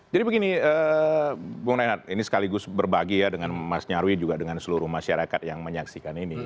begini bung renat ini sekaligus berbagi ya dengan mas nyarwi juga dengan seluruh masyarakat yang menyaksikan ini